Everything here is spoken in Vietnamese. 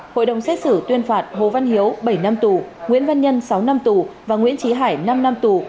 hội đồng xét xử tuyên phạt hồ văn hiếu bảy năm tù nguyễn văn nhân sáu năm tù và nguyễn trí hải năm năm tù